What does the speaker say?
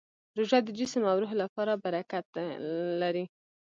روژه د جسم او روح لپاره برکت لري.